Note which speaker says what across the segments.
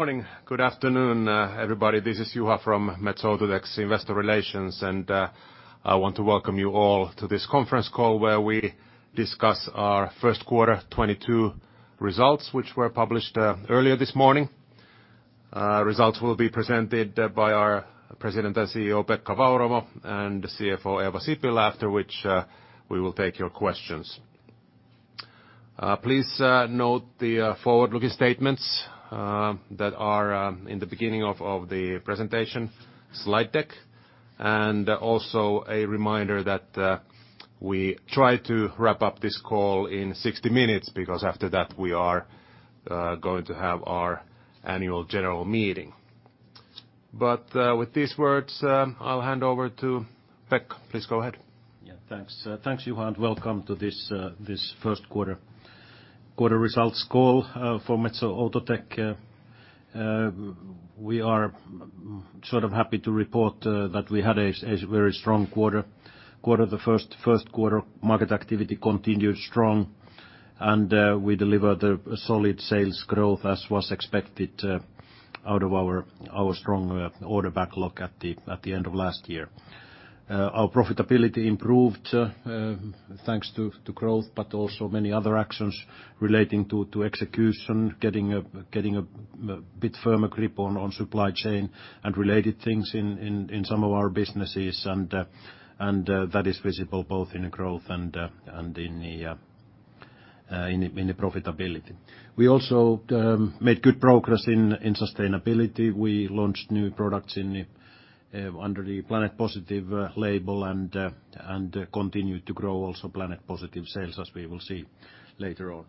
Speaker 1: Morning. Good afternoon, everybody. This is Juha Rouhiainen from Metso Outotec Investor Relations, and I want to welcome you all to this conference call where we discuss our first quarter 2022 results, which were published earlier this morning. Results will be presented by our President and CEO Pekka Vauramo and CFO Eeva Sipilä, after which we will take your questions. Please note the forward-looking statements that are in the beginning of the presentation slide deck, and also a reminder that we try to wrap up this call in 60 minutes because after that we are going to have our annual general meeting. But with these words, I'll hand over to Pekka. Please go ahead.
Speaker 2: Yeah, thanks. Thanks, Juha, and welcome to this first quarter results call for Metso Outotec. We are sort of happy to report that we had a very strong quarter. The first quarter market activity continued strong, and we delivered a solid sales growth as was expected out of our strong order backlog at the end of last year. Our profitability improved thanks to growth, but also many other actions relating to execution, getting a bit firmer grip on supply chain and related things in some of our businesses, and that is visible both in growth and in the profitability. We also made good progress in sustainability. We launched new products under the Planet Positive label and continued to grow also Planet Positive sales, as we will see later on.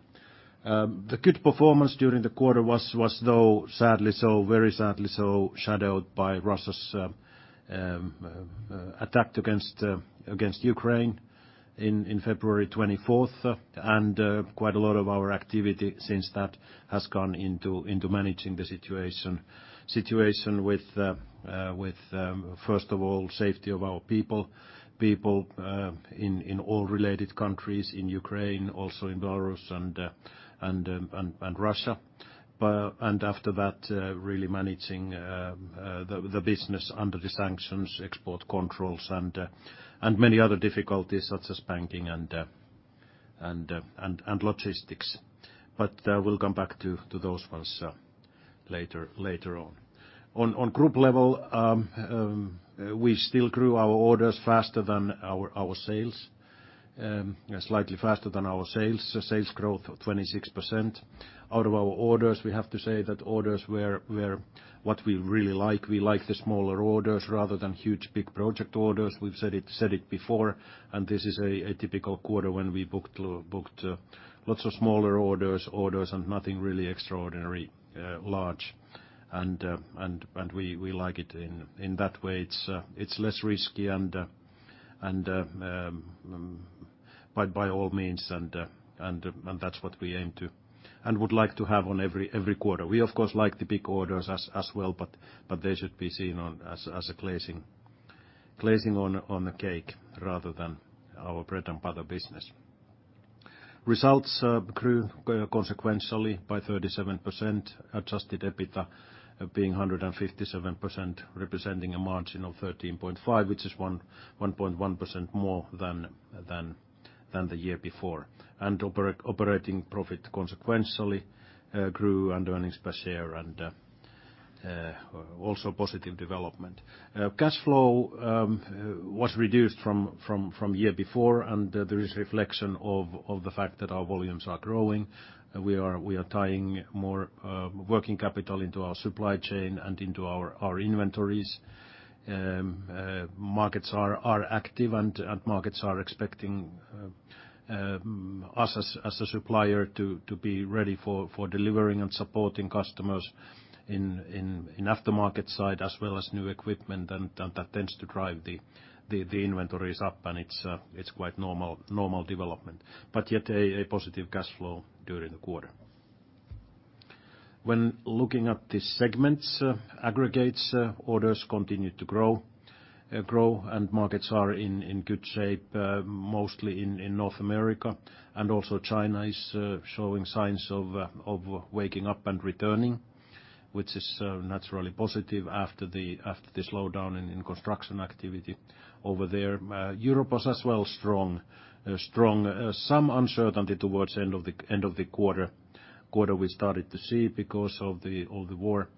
Speaker 2: The good performance during the quarter was, though sadly so, very sadly so, shadowed by Russia's attack against Ukraine on February 24th, and quite a lot of our activity since that has gone into managing the situation with, first of all, safety of our people in all related countries, in Ukraine, also in Belarus, and Russia, and after that, really managing the business under the sanctions, export controls, and many other difficulties such as banking and logistics, but we'll come back to those ones later on. On group level, we still grew our orders faster than our sales, slightly faster than our sales. Sales growth of 26%. Out of our orders, we have to say that orders were what we really like. We like the smaller orders rather than huge big project orders. We've said it before, and this is a typical quarter when we booked lots of smaller orders and nothing really extraordinarily large, and we like it in that way. It's less risky and by all means, and that's what we aim to and would like to have on every quarter. We, of course, like the big orders as well, but they should be seen as an icing on the cake rather than our bread and butter business. Results grew consequentially by 37%, Adjusted EBITDA being 157%, representing a margin of 13.5%, which is 1.1% more than the year before, and operating profit consequentially grew under earnings per share and also positive development. Cash flow was reduced from the year before, and there is reflection of the fact that our volumes are growing. We are tying more working capital into our supply chain and into our inventories. Markets are active, and markets are expecting us as a supplier to be ready for delivering and supporting customers in aftermarket side as well as new equipment, and that tends to drive the inventories up, and it's quite normal development. But yet a positive cash flow during the quarter. When looking at the segments, Aggregates orders continue to grow, and markets are in good shape, mostly in North America, and also China is showing signs of waking up and returning, which is naturally positive after the slowdown in construction activity over there. Europe was as well strong. Some uncertainty towards the end of the quarter we started to see because of the war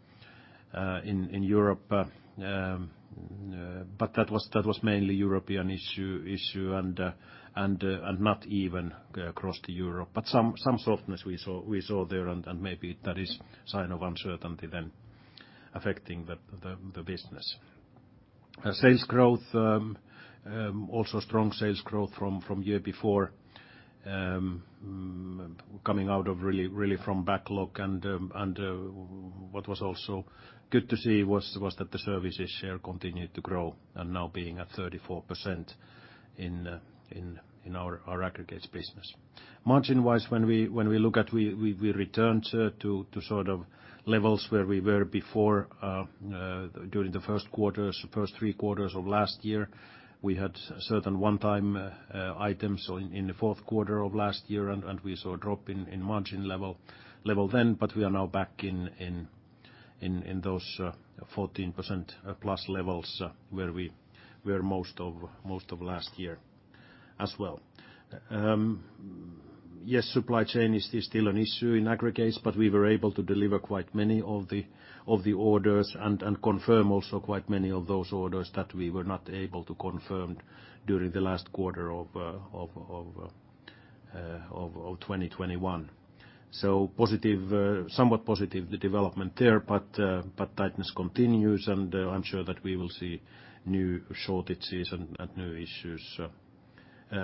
Speaker 2: in Europe, but that was mainly European issue and not even across Europe. But some softness we saw there, and maybe that is a sign of uncertainty then affecting the business. Sales growth, also strong sales growth from the year before, coming out really from backlog, and what was also good to see was that the services share continued to grow and now being at 34% in our Aggregates business. Margin-wise, when we look at, we returned to sort of levels where we were before during the first three quarters of last year. We had certain one-time items in the fourth quarter of last year, and we saw a drop in margin level then, but we are now back in those 14% plus levels where we were most of last year as well. Yes, supply chain is still an issue in Aggregates, but we were able to deliver quite many of the orders and confirm also quite many of those orders that we were not able to confirm during the last quarter of 2021. Somewhat positive development there, but tightness continues, and I'm sure that we will see new shortages and new issues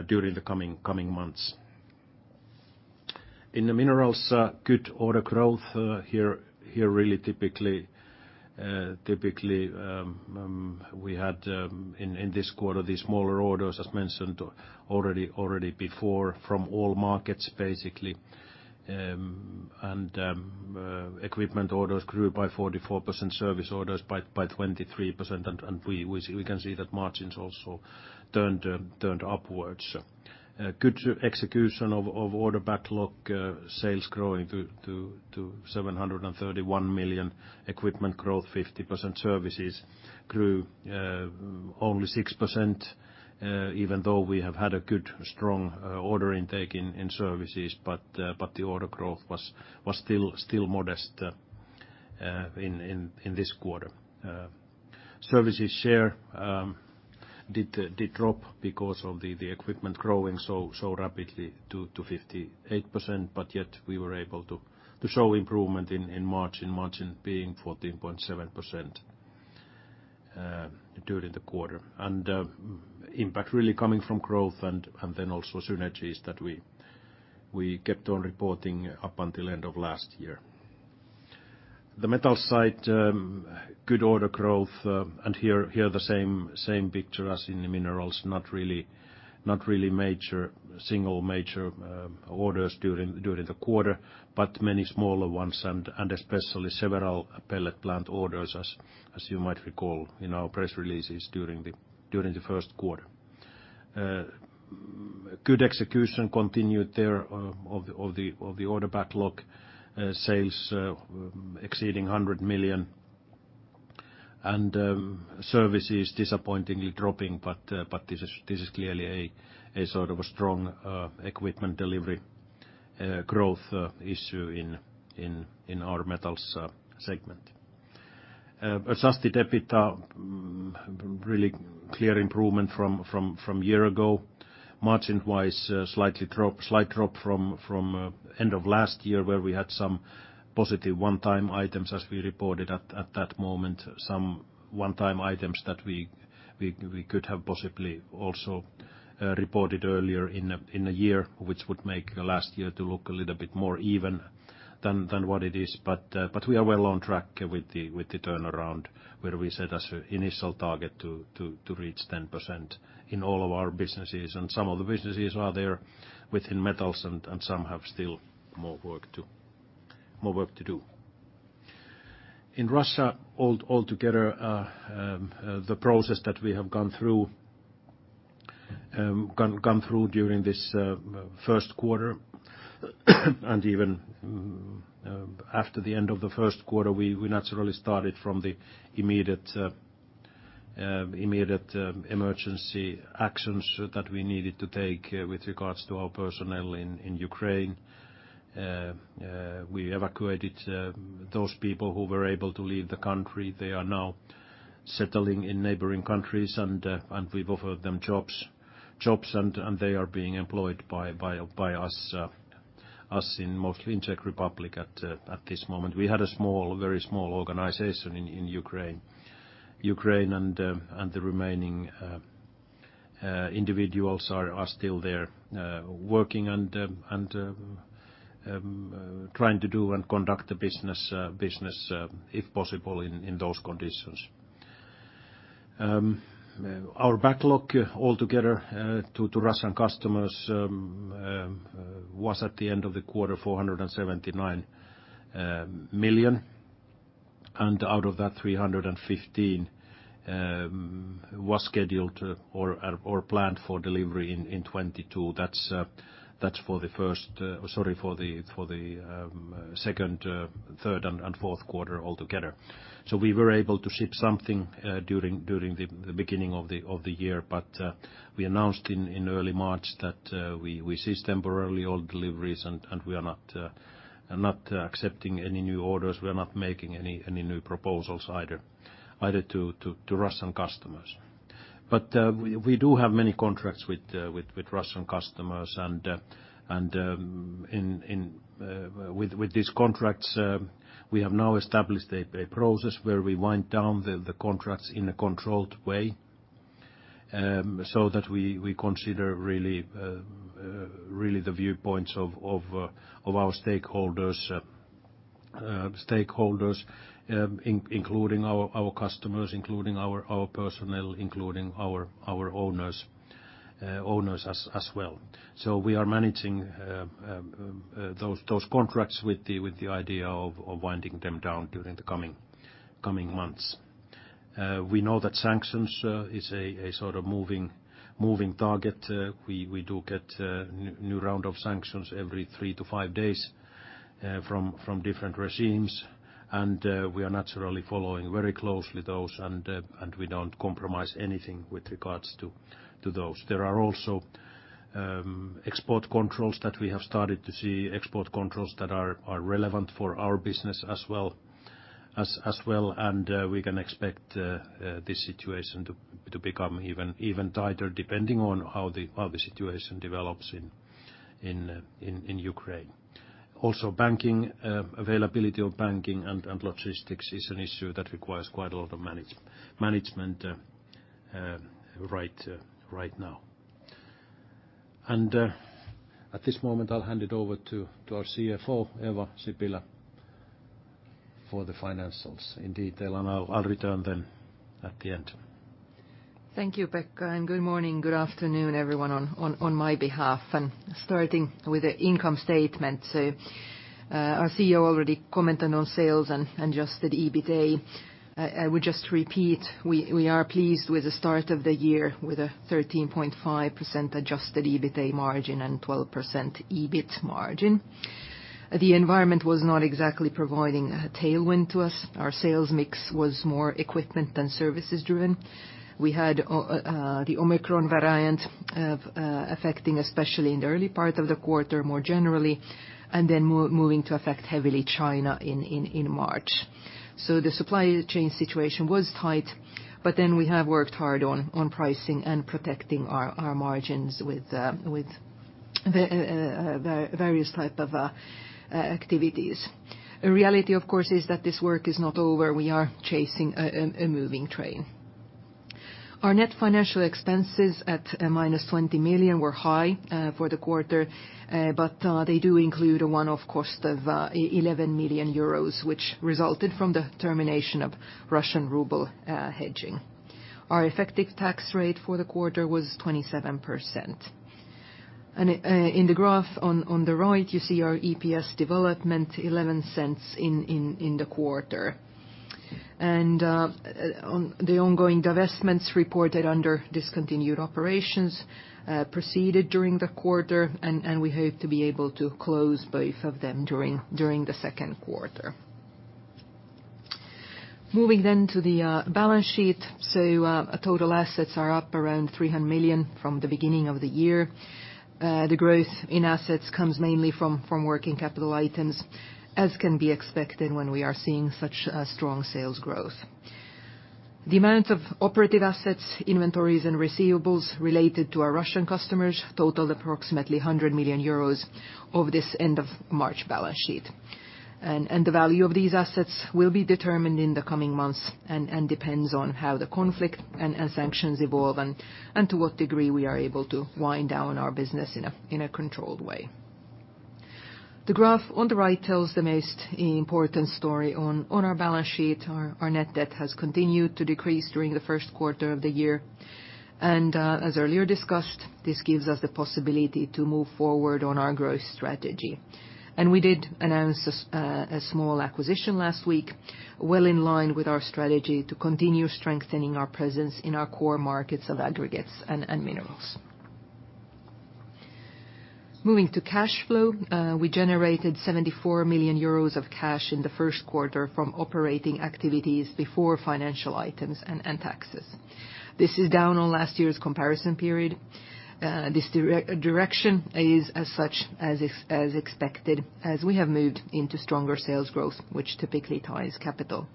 Speaker 2: during the coming months. In the Minerals, good order growth here. Really typically we had in this quarter the smaller orders, as mentioned already before, from all markets basically, and equipment orders grew by 44%, service orders by 23%, and we can see that margins also turned upwards. Good execution of order backlog, sales growing to 731 million, equipment growth 50%, services grew only 6%, even though we have had a good strong order intake in services, but the order growth was still modest in this quarter. Services share did drop because of the equipment growing so rapidly to 58%, but yet we were able to show improvement in margin being 14.7% during the quarter. Impact really coming from growth and then also synergies that we kept on reporting up until the end of last year. The Metals side, good order growth, and here the same picture as in the Minerals, not really single major orders during the quarter, but many smaller ones and especially several pellet plant orders, as you might recall in our press releases during the first quarter. Good execution continued there of the order backlog, sales exceeding EUR 100 million, and services disappointingly dropping, but this is clearly a sort of a strong equipment delivery growth issue in our Metals segment. Adjusted EBITDA, really clear improvement from a year ago. Margin-wise, slight drop from the end of last year where we had some positive one-time items as we reported at that moment, some one-time items that we could have possibly also reported earlier in the year, which would make last year look a little bit more even than what it is. But we are well on track with the turnaround where we set as an initial target to reach 10% in all of our businesses, and some of the businesses are there within Metals, and some have still more work to do. In Russia, altogether, the process that we have gone through during this first quarter and even after the end of the first quarter, we naturally started from the immediate emergency actions that we needed to take with regards to our personnel in Ukraine. We evacuated those people who were able to leave the country. They are now settling in neighboring countries, and we've offered them jobs, and they are being employed by us in mostly in Czech Republic at this moment. We had a very small organization in Ukraine, and the remaining individuals are still there working and trying to do and conduct the business if possible in those conditions. Our backlog altogether to Russian customers was at the end of the quarter 479 million, and out of that 315 million was scheduled or planned for delivery in 2022. That's for the first, sorry, for the second, third, and fourth quarter altogether. So we were able to ship something during the beginning of the year, but we announced in early March that we cease temporarily all deliveries, and we are not accepting any new orders. We are not making any new proposals either to Russian customers. But we do have many contracts with Russian customers, and with these contracts, we have now established a process where we wind down the contracts in a controlled way so that we consider really the viewpoints of our stakeholders, including our customers, including our personnel, including our owners as well. So we are managing those contracts with the idea of winding them down during the coming months. We know that sanctions is a sort of moving target. We do get a new round of sanctions every three to five days from different regimes, and we are naturally following very closely those, and we don't compromise anything with regards to those. There are also export controls that we have started to see, export controls that are relevant for our business as well, and we can expect this situation to become even tighter depending on how the situation develops in Ukraine. Also, banking, availability of banking and logistics is an issue that requires quite a lot of management right now. And at this moment, I'll hand it over to our CFO, Eeva Sipilä, for the financials in detail, and I'll return then at the end.
Speaker 3: Thank you, Pekka, and good morning, good afternoon, everyone on my behalf. And starting with the income statement, our CEO already commented on sales and adjusted EBITDA. I would just repeat, we are pleased with the start of the year with a 13.5% adjusted EBITDA margin and 12% EBIT margin. The environment was not exactly providing a tailwind to us. Our sales mix was more equipment than services-driven. We had the Omicron variant affecting especially in the early part of the quarter more generally, and then moving to affect heavily China in March. The supply chain situation was tight, but then we have worked hard on pricing and protecting our margins with various types of activities. The reality, of course, is that this work is not over. We are chasing a moving train. Our net financial expenses at minus 20 million were high for the quarter, but they do include a one-off cost of 11 million euros, which resulted from the termination of Russian ruble hedging. Our effective tax rate for the quarter was 27%. In the graph on the right, you see our EPS development, 0.11 in the quarter. The ongoing divestments reported under discontinued operations proceeded during the quarter, and we hope to be able to close both of them during the second quarter. Moving then to the balance sheet, total assets are up around 300 million from the beginning of the year. The growth in assets comes mainly from working capital items, as can be expected when we are seeing such strong sales growth. The amount of operative assets, inventories, and receivables related to our Russian customers totaled approximately 100 million euros of this end-of-March balance sheet, and the value of these assets will be determined in the coming months and depends on how the conflict and sanctions evolve and to what degree we are able to wind down our business in a controlled way. The graph on the right tells the most important story on our balance sheet. Our net debt has continued to decrease during the first quarter of the year, and as earlier discussed, this gives us the possibility to move forward on our growth strategy. And we did announce a small acquisition last week, well in line with our strategy to continue strengthening our presence in our core markets of Aggregates and Minerals. Moving to cash flow, we generated 74 million euros of cash in the first quarter from operating activities before financial items and taxes. This is down on last year's comparison period. This direction is as such as expected as we have moved into stronger sales growth, which typically ties capital.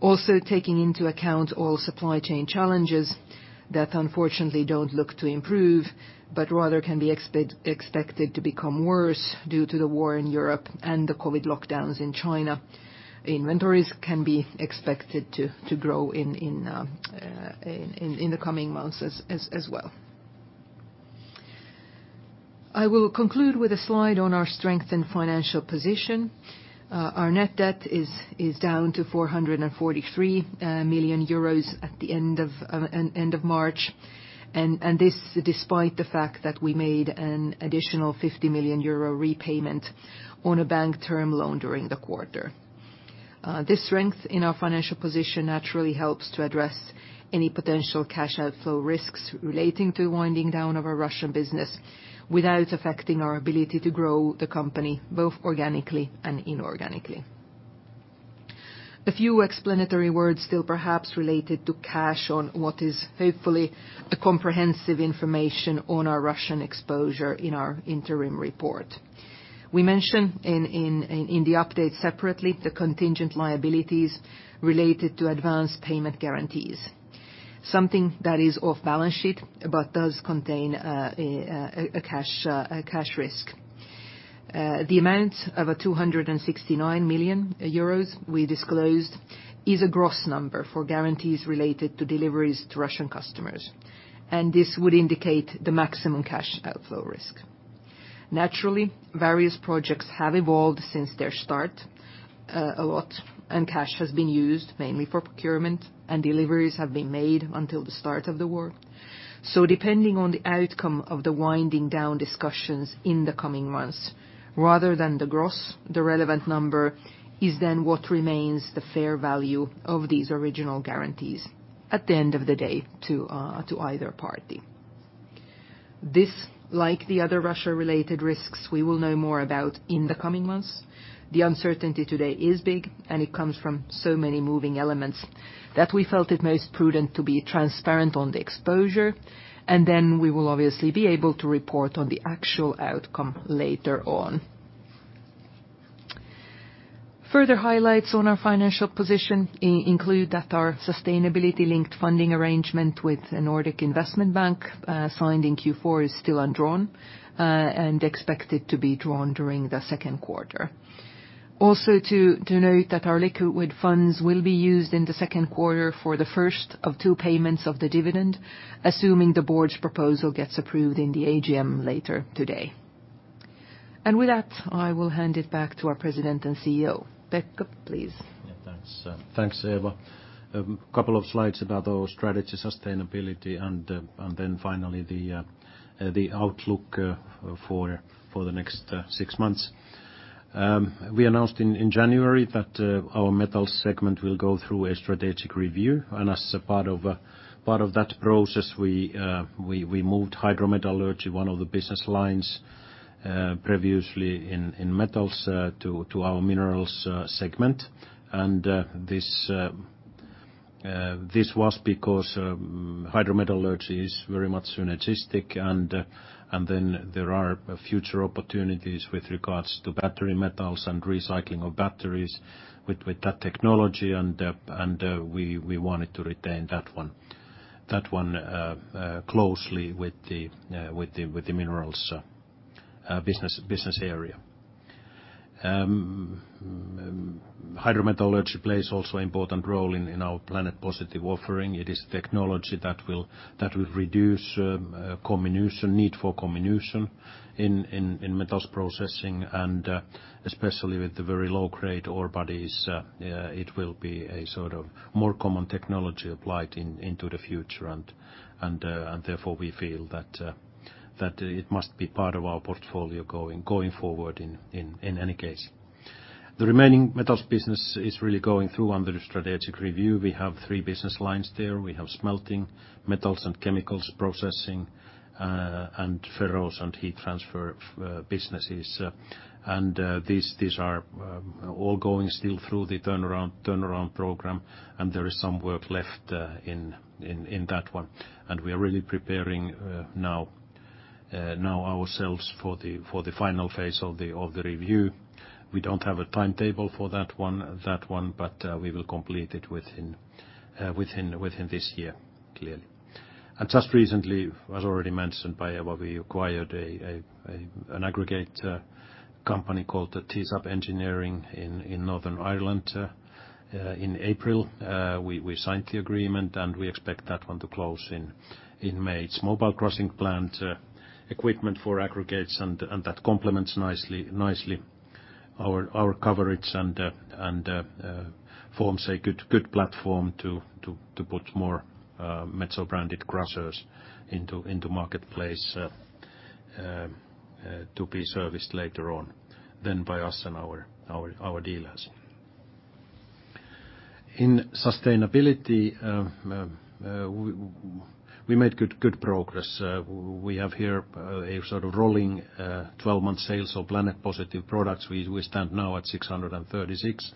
Speaker 3: Also, taking into account all supply chain challenges that unfortunately don't look to improve but rather can be expected to become worse due to the war in Europe and the COVID lockdowns in China, inventories can be expected to grow in the coming months as well. I will conclude with a slide on our strengthened financial position. Our net debt is down to 443 million euros at the end of March, and this despite the fact that we made an additional 50 million euro repayment on a bank term loan during the quarter. This strength in our financial position naturally helps to address any potential cash outflow risks relating to the winding down of our Russian business without affecting our ability to grow the company, both organically and inorganically. A few explanatory words still perhaps related to cash on what is hopefully comprehensive information on our Russian exposure in our interim report. We mentioned in the update separately the contingent liabilities related to advance payment guarantees, something that is off balance sheet but does contain a cash risk. The amount of 269 million euros we disclosed is a gross number for guarantees related to deliveries to Russian customers, and this would indicate the maximum cash outflow risk. Naturally, various projects have evolved since their start a lot, and cash has been used mainly for procurement, and deliveries have been made until the start of the war, so depending on the outcome of the winding down discussions in the coming months, rather than the gross, the relevant number is then what remains the fair value of these original guarantees at the end of the day to either party. This, like the other Russia-related risks, we will know more about in the coming months. The uncertainty today is big, and it comes from so many moving elements that we felt it most prudent to be transparent on the exposure, and then we will obviously be able to report on the actual outcome later on. Further highlights on our financial position include that our sustainability-linked funding arrangement with the Nordic Investment Bank signed in Q4 is still undrawn and expected to be drawn during the second quarter. Also to note that our liquid funds will be used in the second quarter for the first of two payments of the dividend, assuming the board's proposal gets approved in the AGM later today, and with that, I will hand it back to our President and CEO. Pekka, please.
Speaker 2: Thanks, Eeva. A couple of slides about our strategy, sustainability, and then finally the outlook for the next six months. We announced in January that our Metals segment will go through a strategic review, and as part of that process, we moved Hydrometallurgy, one of the business lines previously in Metals, to our Minerals segment. This was because Hydrometallurgy is very much synergistic, and then there are future opportunities with regards to battery Metals and recycling of batteries with that technology, and we wanted to retain that one closely with the Minerals business area. Hydrometallurgy plays also an important role in our Planet Positive offering. It is a technology that will reduce comminution, need for comminution in Metals processing, and especially with the very low-grade ore bodies, it will be a sort of more common technology applied into the future, and therefore we feel that it must be part of our portfolio going forward in any case. The remaining Metals business is really going through under the strategic review. We have three business lines there. We have Smelting, Metals and Chemicals Processing, and Ferrous and Heat Transfer businesses, and these are all going still through the turnaround program, and there is some work left in that one, and we are really preparing now ourselves for the final phase of the review. We don't have a timetable for that one, but we will complete it within this year, clearly, and just recently, as already mentioned by Eeva, we acquired an aggregate company called Tesab Engineering in Northern Ireland in April. We signed the agreement, and we expect that one to close in May. It's a mobile crushing plant equipment for Aggregates, and that complements nicely our coverage and forms a good platform to put more Metso-branded crushers into marketplace to be serviced later on then by us and our dealers. In sustainability, we made good progress. We have here a sort of rolling 12-month sales of Planet Positive products. We stand now at 636,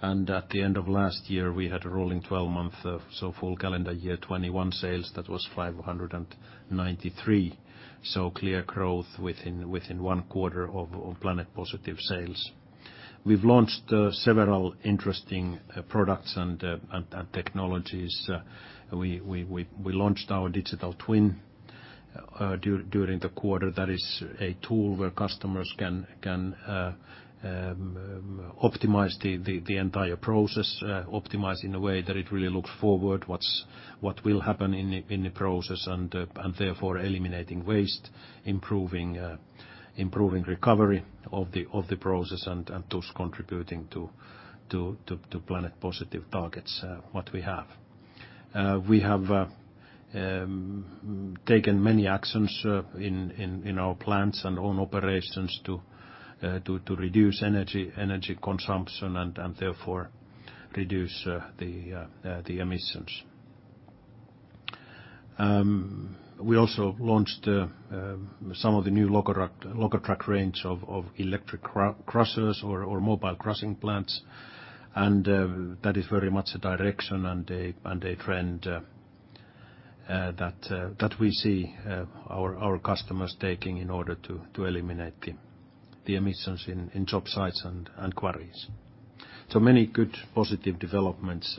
Speaker 2: and at the end of last year, we had a rolling 12-month, so full calendar year 2021 sales. That was 593, so clear growth within one quarter of Planet Positive sales. We've launched several interesting products and technologies. We launched our digital twin during the quarter. That is a tool where customers can optimize the entire process, optimize in a way that it really looks forward, what will happen in the process, and therefore eliminating waste, improving recovery of the process, and thus contributing to Planet Positive targets what we have. We have taken many actions in our plants and own operations to reduce energy consumption and therefore reduce the emissions. We also launched some of the new Lokotrack range of electric crushers or mobile crushing plants, and that is very much a direction and a trend that we see our customers taking in order to eliminate the emissions in job sites and quarries. So many good positive developments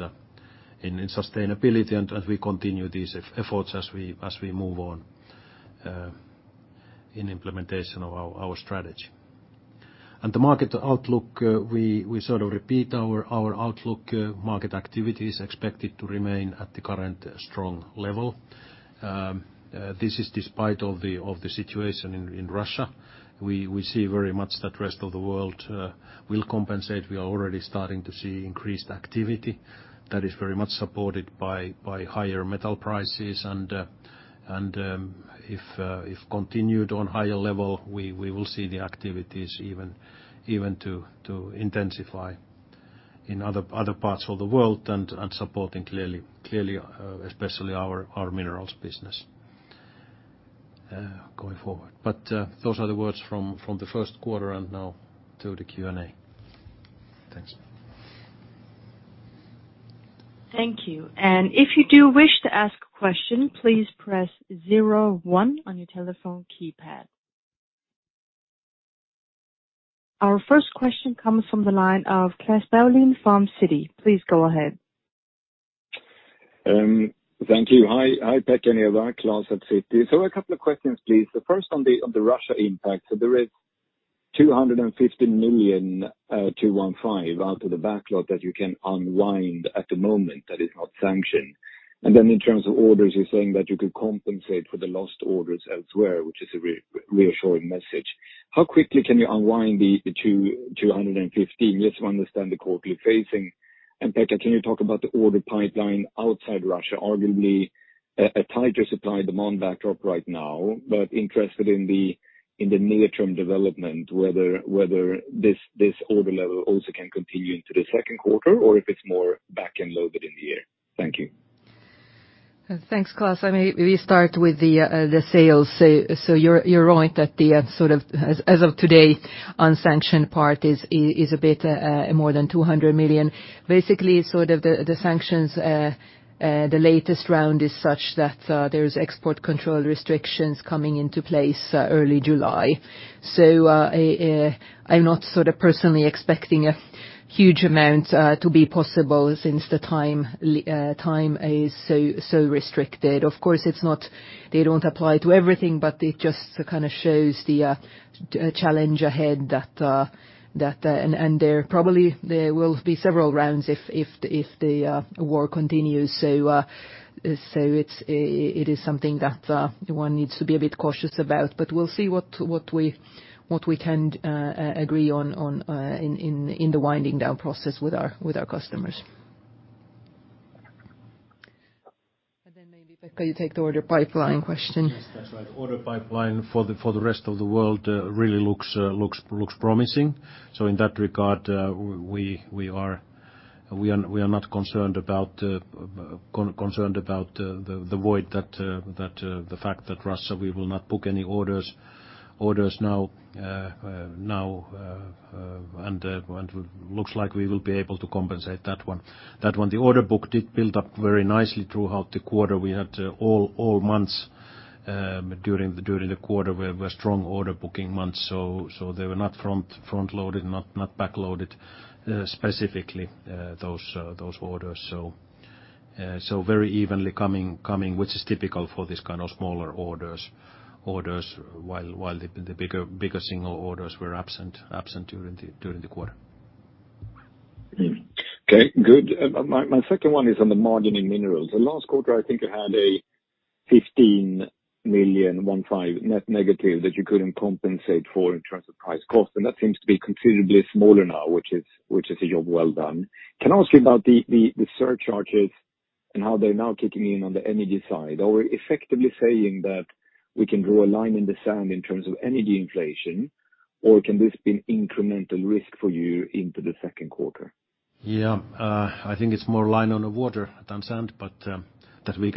Speaker 2: in sustainability, and we continue these efforts as we move on in implementation of our strategy. And the market outlook, we sort of repeat our outlook. Market activity is expected to remain at the current strong level. This is despite all the situation in Russia. We see very much that the rest of the world will compensate. We are already starting to see increased activity that is very much supported by higher metal prices, and if continued on a higher level, we will see the activities even to intensify in other parts of the world and supporting clearly, especially our Minerals business going forward. But those are the words from the first quarter and now to the Q&A. Thanks.
Speaker 4: Thank you. And if you do wish to ask a question, please press 01 on your telephone keypad. Our first question comes from the line of Klas Bergelind from Citi. Please go ahead.
Speaker 5: Thank you. Hi, Pekka and Eeva. Klas at Citi. So a couple of questions, please. The first on the Russia impact. So there is 250 million, 215 out of the backlog that you can unwind at the moment that is not sanctioned. And then in terms of orders, you're saying that you could compensate for the lost orders elsewhere, which is a reassuring message. How quickly can you unwind the 215? Yes, we understand the quarterly phasing. And Pekka, can you talk about the order pipeline outside Russia? Arguably a tighter supply-demand backdrop right now, but interested in the near-term development, whether this order level also can continue into the second quarter or if it's more back-loaded in the year. Thank you.
Speaker 3: Thanks, Klas. I maybe start with the sales. So you're right that the sort of, as of today, unsanctioned part is a bit more than 200 million. Basically, sort of the sanctions, the latest round is such that there's export control restrictions coming into place early July. So I'm not sort of personally expecting a huge amount to be possible since the time is so restricted. Of course, they don't apply to everything, but it just kind of shows the challenge ahead that and there probably will be several rounds if the war continues. So it is something that one needs to be a bit cautious about, but we'll see what we can agree on in the winding down process with our customers. And then maybe Pekka, you take the order pipeline question.
Speaker 2: Yes, that's right. Order pipeline for the rest of the world really looks promising. So in that regard, we are not concerned about the void that the fact that Russia, we will not book any orders now, and it looks like we will be able to compensate that one. The order book did build up very nicely throughout the quarter. We had all months during the quarter where we had strong order booking months. So they were not front-loaded, not back-loaded specifically, those orders. So very evenly coming, which is typical for these kind of smaller orders while the bigger single orders were absent during the quarter.
Speaker 5: Okay, good. My second one is on the Minerals. The last quarter, I think you had a €15 million negative that you couldn't compensate for in terms of price cost, and that seems to be considerably smaller now, which is a job well done. Can I ask you about the surcharges and how they're now kicking in on the energy side? Are we effectively saying that we can draw a line in the sand in terms of energy inflation, or can this be an incremental risk for you into the second quarter?
Speaker 2: Yeah, I think it's more reliant on the water than sand, but that we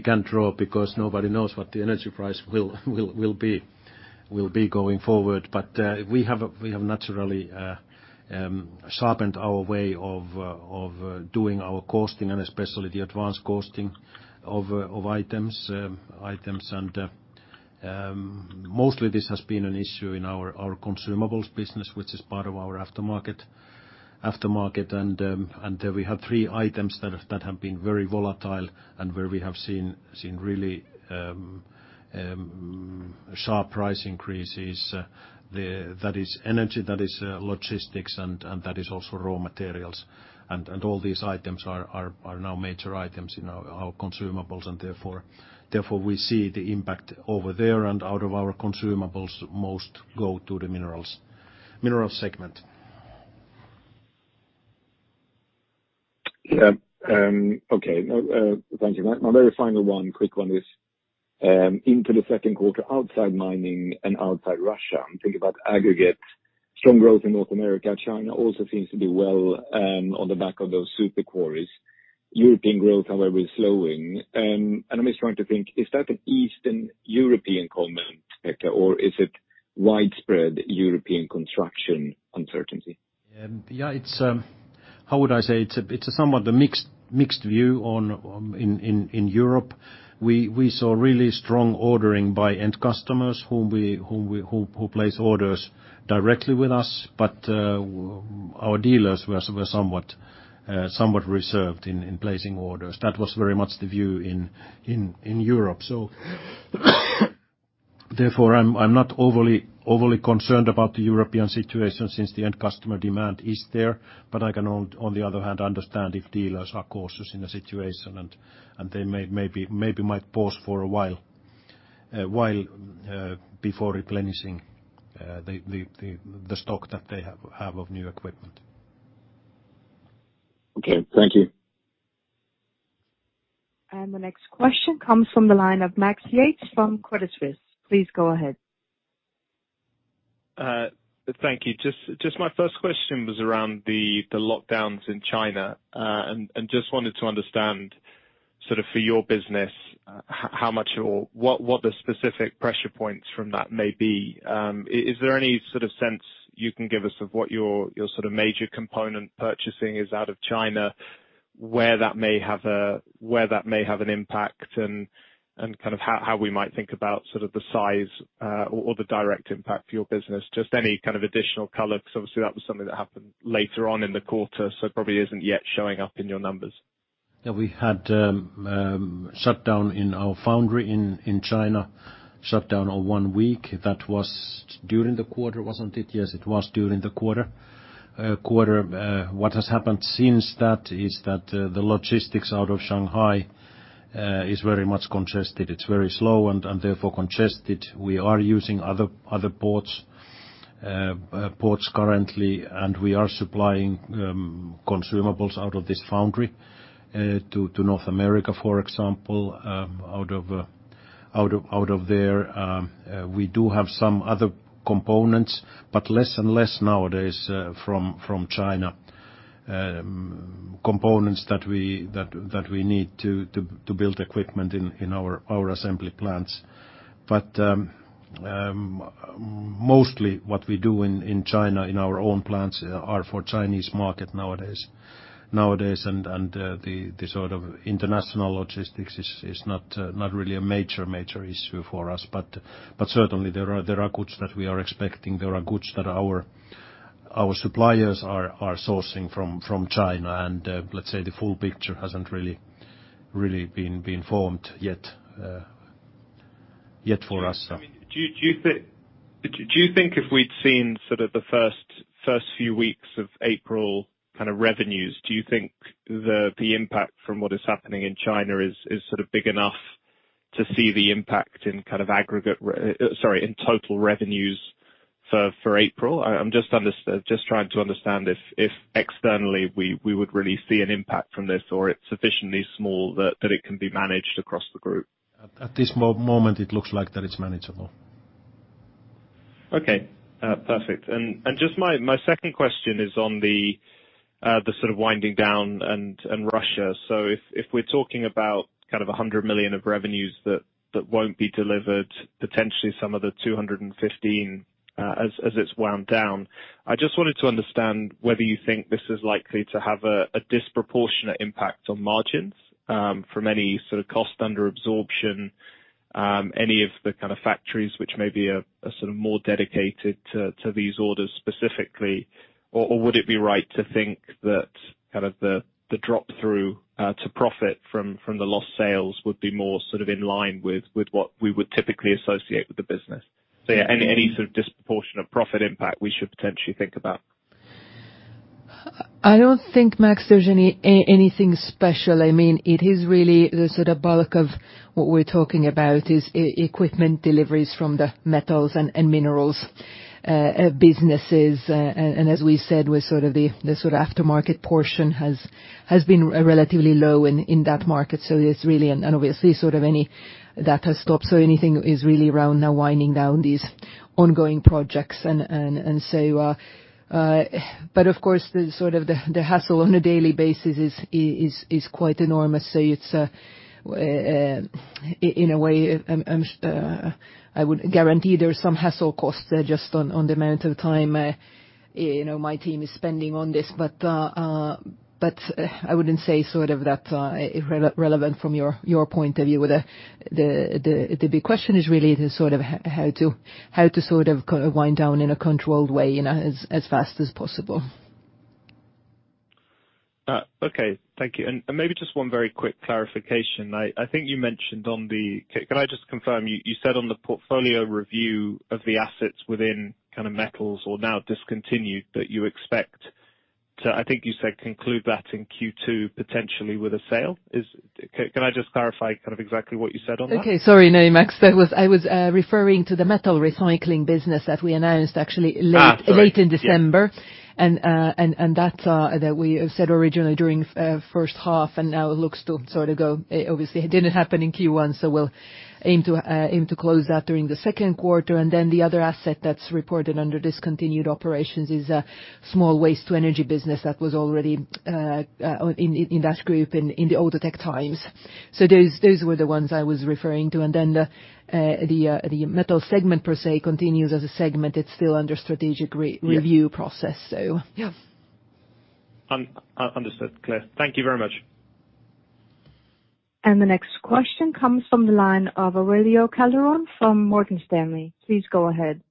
Speaker 2: can draw because nobody knows what the energy price will be going forward. But we have naturally sharpened our way of doing our costing and especially the advanced costing of items. And mostly this has been an issue in our consumables business, which is part of our aftermarket. And we have three items that have been very volatile and where we have seen really sharp price increases. That is energy, that is logistics, and that is also raw materials. And all these items are now major items in our consumables, and therefore we see the impact over there and out of our consumables most go to the Minerals segment.
Speaker 5: Yeah. Okay. Thank you. My very final one, quick one is into the second quarter outside mining and outside Russia. Think about Aggregates. Strong growth in North America. China also seems to be well on the back of those super quarries. European growth, however, is slowing. And I'm just trying to think, is that an Eastern European comment, Pekka, or is it widespread European construction uncertainty?
Speaker 2: Yeah, how would I say it? It's somewhat a mixed view in Europe. We saw really strong ordering by end customers who place orders directly with us, but our dealers were somewhat reserved in placing orders. That was very much the view in Europe. So therefore, I'm not overly concerned about the European situation since the end customer demand is there, but I can, on the other hand, understand if dealers are cautious in the situation and they maybe might pause for a while before replenishing the stock that they have of new equipment.
Speaker 5: Okay. Thank you.
Speaker 4: And the next question comes from the line of Max Yates from Credit Suisse. Please go ahead. T
Speaker 6: hank you. Just my first question was around the lockdowns in China and just wanted to understand sort of for your business how much or what the specific pressure points from that may be. Is there any sort of sense you can give us of what your sort of major component purchasing is out of China, where that may have an impact, and kind of how we might think about sort of the size or the direct impact for your business? Just any kind of additional color, because obviously that was something that happened later on in the quarter, so it probably isn't yet showing up in your numbers.
Speaker 2: Yeah, we had shutdown in our foundry in China, shutdown of one week. That was during the quarter, wasn't it? Yes, it was during the quarter. What has happened since that is that the logistics out of Shanghai is very much congested. It's very slow and therefore congested. We are using other ports currently, and we are supplying consumables out of this foundry to North America, for example, out of there. We do have some other components, but less and less nowadays from China, components that we need to build equipment in our assembly plants. But mostly what we do in China in our own plants are for Chinese market nowadays. And the sort of international logistics is not really a major issue for us, but certainly there are goods that we are expecting. There are goods that our suppliers are sourcing from China, and let's say the full picture hasn't really been formed yet for us. Do you think if we'd seen sort of the first few weeks of April kind of revenues, do you think the impact from what is happening in China is sort of big enough to see the impact in kind of aggregate sorry, in total revenues for April? I'm just trying to understand if externally we would really see an impact from this or it's sufficiently small that it can be managed across the group. At this moment, it looks like that it's manageable.
Speaker 6: Okay. Perfect. And just my second question is on the sort of winding down and Russia.
Speaker 2: So if we're talking about kind of 100 million of revenues that won't be delivered, potentially some of the 215 as it's wound down, I just wanted to understand whether you think this is likely to have a disproportionate impact on margins from any sort of cost under absorption, any of the kind of factories which may be sort of more dedicated to these orders specifically, or would it be right to think that kind of the drop-through to profit from the lost sales would be more sort of in line with what we would typically associate with the business. So any sort of disproportionate profit impact we should potentially think about.
Speaker 3: I don't think, Max, there's anything special. I mean, it is really the sort of bulk of what we're talking about is equipment deliveries from the Metals and Minerals businesses. As we said, sort of the aftermarket portion has been relatively low in that market. So it's really, and obviously sort of any that has stopped. So anything is really around now winding down these ongoing projects. And so, but of course, sort of the hassle on a daily basis is quite enormous. So in a way, I would guarantee there's some hassle costs just on the amount of time my team is spending on this. But I wouldn't say sort of that relevant from your point of view. The big question is really sort of how to sort of wind down in a controlled way as fast as possible.
Speaker 6: Okay. Thank you. And maybe just one very quick clarification. I think you mentioned. Can I just confirm you said on the portfolio review of the assets within kind of Minerals or now discontinued that you expect to, I think you said conclude that in Q2 potentially with a sale? Can I just clarify kind of exactly what you said on that?
Speaker 3: Okay. Sorry, no, Max, I was referring to the metal recycling business that we announced actually late in December. And that's we said originally during first half, and now it looks to sort of go. Obviously, it didn't happen in Q1, so we'll aim to close that during the second quarter. And then the other asset that's reported under discontinued operations is a small waste-to-energy business that was already in that group in the Outotec times. So those were the ones I was referring to.
Speaker 2: The Minerals segment per se continues as a segment. It's still under strategic review process, so. Yeah.
Speaker 6: Understood. Clear. Thank you very much.
Speaker 4: The next question comes from the line of Aurelio Calderon from Morgan Stanley. Please go ahead.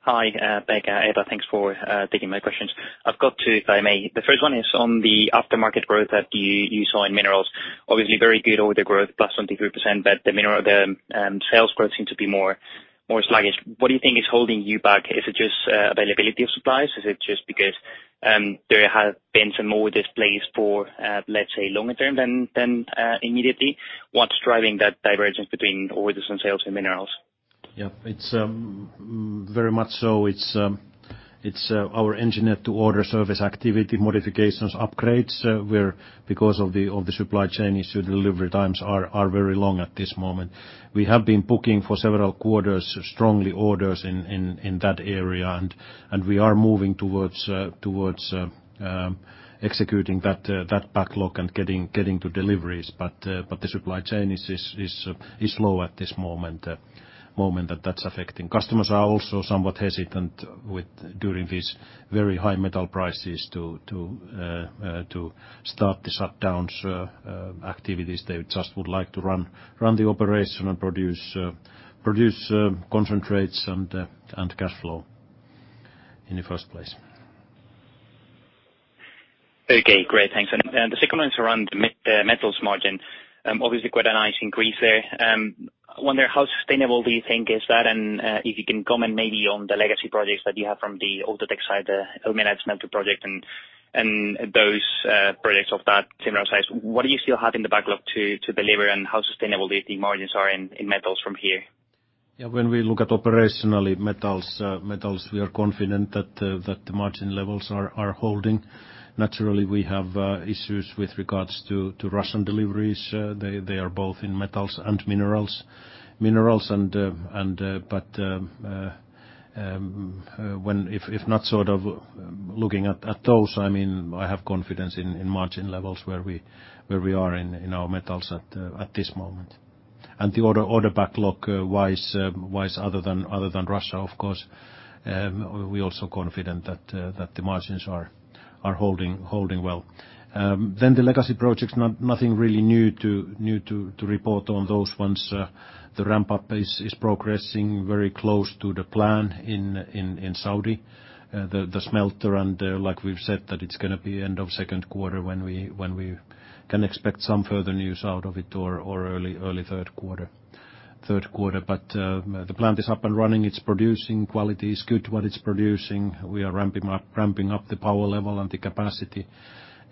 Speaker 7: Hi, Pekka. Eeva, thanks for taking my questions. I've got two, if I may. The first one is on the aftermarket growth that you saw in Minerals. Obviously, very good order growth, plus 23%, but the sales growth seems to be more sluggish. What do you think is holding you back? Is it just availability of supplies? Is it just because there have been some more delays for, let's say, longer term than immediately? What's driving that divergence between orders and sales in Minerals?
Speaker 2: Yeah, it's very much so. It's our engineer to order service activity modifications upgrades because of the supply chain issue. Delivery times are very long at this moment. We have been booking for several quarters strongly orders in that area, and we are moving towards executing that backlog and getting to deliveries, but the supply chain is slow at this moment that is affecting. Customers are also somewhat hesitant during these very high metal prices to start the shutdowns activities. They just would like to run the operation and produce concentrates and cash flow in the first place.
Speaker 7: Okay. Great. Thanks. And the second one is around the Metals margin. Obviously, quite a nice increase there. I wonder how sustainable do you think is that? And if you can comment maybe on the legacy projects that you have from the Outotec side, the ilmenite metal project and those projects of that similar size, what do you still have in the backlog to deliver? And how sustainable do you think margins are in Metals from here?
Speaker 2: Yeah, when we look at operationally Metals, we are confident that the margin levels are holding. Naturally, we have issues with regards to Russian deliveries. They are both in Metals and Minerals. But if not sort of looking at those, I mean, I have confidence in margin levels where we are in our Metals at this moment. And the order backlog wise, other than Russia, of course, we are also confident that the margins are holding well. Then the legacy projects, nothing really new to report on those ones. The ramp-up is progressing very close to the plan in Saudi, the smelter. And like we've said, that it's going to be end of second quarter when we can expect some further news out of it or early third quarter. But the plant is up and running. It's producing quality. It's good what it's producing. We are ramping up the power level and the capacity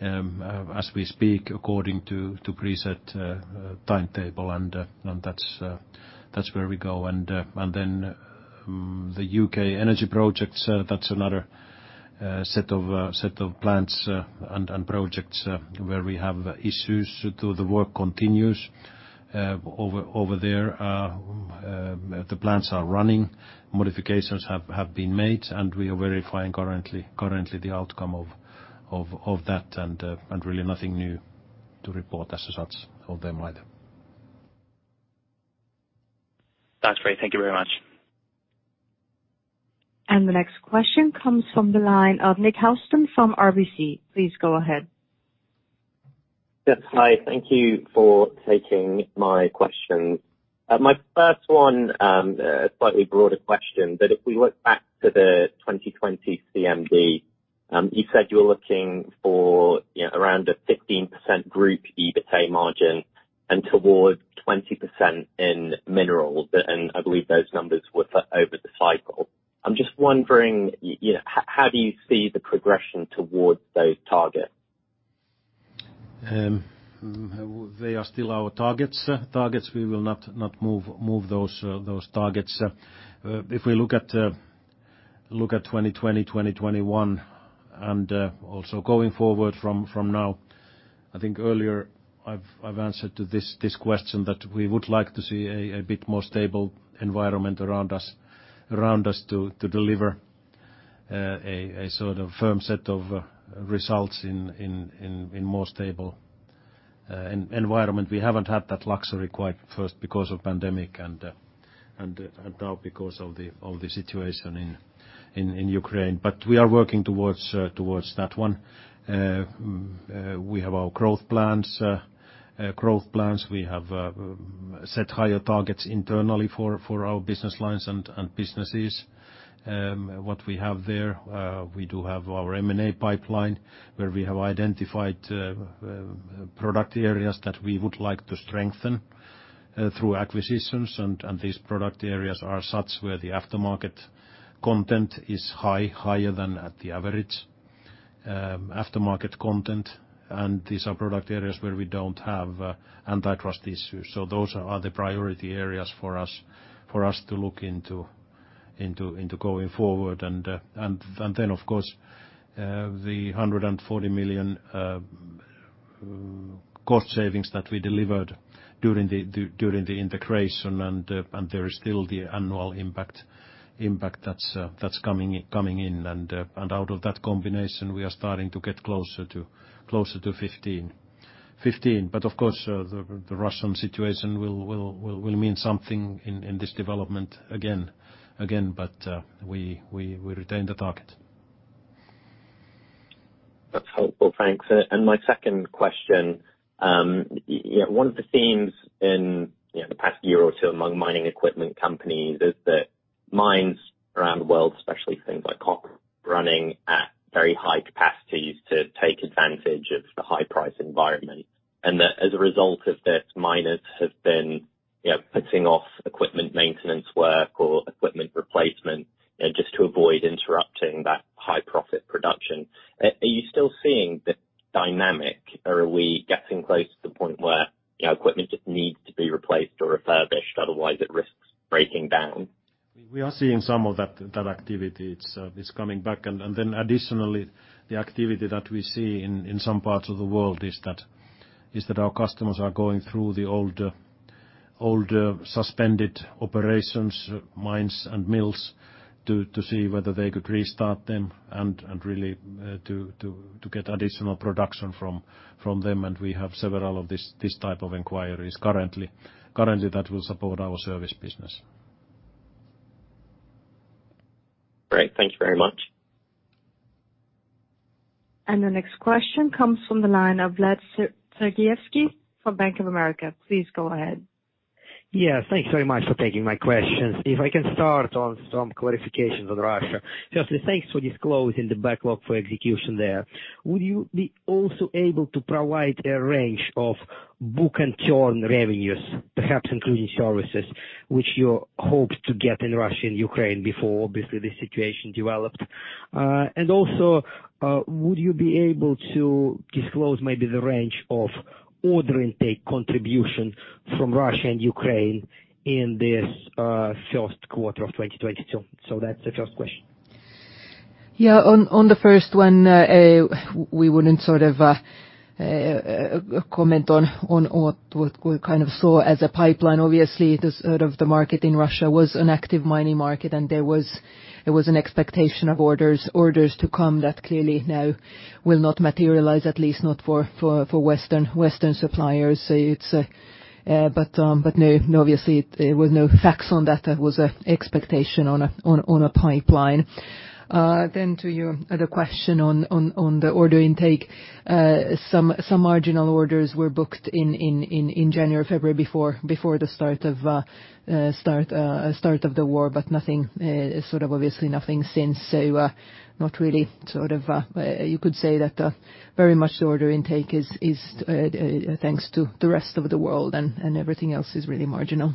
Speaker 2: as we speak according to preset timetable, and that's where we go. And then the UK energy projects, that's another set of plants and projects where we have issues to the work continues over there. The plants are running. Modifications have been made, and we are verifying currently the outcome of that and really nothing new to report as such of them either.
Speaker 7: That's great. Thank you very much.
Speaker 4: And the next question comes from the line of Nick Housden from RBC. Please go ahead.
Speaker 8: Yes. Hi. Thank you for taking my questions. My first one, a slightly broader question, but if we look back to the 2020 CMD, you said you were looking for around a 15% group EBITDA margin and towards 20% in Minerals. I believe those numbers were over the cycle. I'm just wondering, how do you see the progression towards those targets?
Speaker 5: They are still our targets. We will not move those targets. If we look at 2020, 2021, and also going forward from now, I think earlier I've answered to this question that we would like to see a bit more stable environment around us to deliver a sort of firm set of results in more stable environment. We haven't had that luxury quite first because of pandemic and now because of the situation in Ukraine. We are working towards that one. We have our growth plans. We have set higher targets internally for our business lines and businesses. What we have there, we do have our M&A pipeline where we have identified product areas that we would like to strengthen through acquisitions.
Speaker 2: These product areas are such where the aftermarket content is higher than at the average aftermarket content. These are product areas where we don't have antitrust issues. Those are the priority areas for us to look into going forward. Then, of course, the 140 million cost savings that we delivered during the integration, and there is still the annual impact that's coming in. Out of that combination, we are starting to get closer to 15. The Russian situation will mean something in this development again, but we retain the target.
Speaker 8: That's helpful. Thanks. My second question, one of the themes in the past year or two among mining equipment companies is that mines around the world, especially things like copper running at very high capacities to take advantage of the high-price environment. As a result of this, miners have been putting off equipment maintenance work or equipment replacement just to avoid interrupting that high-profit production. Are you still seeing the dynamic, or are we getting close to the point where equipment just needs to be replaced or refurbished? Otherwise, it risks breaking down.
Speaker 2: We are seeing some of that activity. It's coming back. And then additionally, the activity that we see in some parts of the world is that our customers are going through the older suspended operations, mines and mills, to see whether they could restart them and really to get additional production from them. And we have several of this type of inquiries currently that will support our service business.
Speaker 8: Great. Thank you very much.
Speaker 4: And the next question comes from the line of Vlad Sergievskiy from Bank of America. Please go ahead. Yes.
Speaker 9: Thank you very much for taking my questions. If I can start on some clarifications on Russia. Firstly, thanks for disclosing the backlog for execution there. Would you be also able to provide a range of book-to-turn revenues, perhaps including services, which you hoped to get in Russia and Ukraine before, obviously, this situation developed? And also, would you be able to disclose maybe the range of order intake contribution from Russia and Ukraine in this first quarter of 2022? So that's the first question.
Speaker 3: Yeah. On the first one, we wouldn't sort of comment on what we kind of saw as a pipeline. Obviously, sort of the market in Russia was an active mining market, and there was an expectation of orders to come that clearly now will not materialize, at least not for Western suppliers. But no, obviously, there were no facts on that. That was an expectation on a pipeline. Then to you, the question on the order intake. Some marginal orders were booked in January, February before the start of the war, but sort of obviously nothing since. So not really sort of you could say that very much the order intake is thanks to the rest of the world, and everything else is really marginal.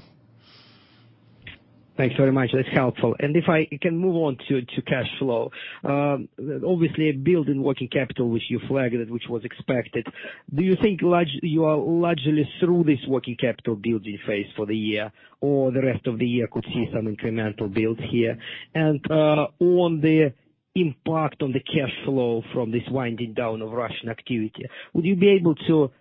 Speaker 9: Thanks very much. That's helpful. An d if I can move on to cash flow. Obviously, building working capital, which you flagged it, which was expected. Do you think you are largely through this working capital building phase for the year, or the rest of the year could see some incremental builds here? And on the impact on the cash flow from this winding down of Russian activity, would you be able to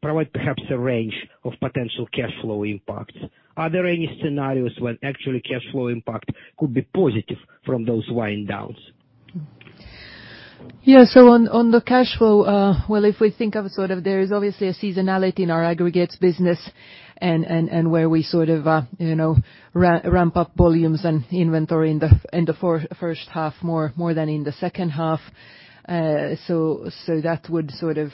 Speaker 9: provide perhaps a range of potential cash flow impacts? Are there any scenarios when actually cash flow impact could be positive from those wind downs?
Speaker 3: Yeah. So on the cash flow, well, if we think of it sort of there is obviously a seasonality in our Aggregates business and where we sort of ramp up volumes and inventory in the first half more than in the second half. So that would sort of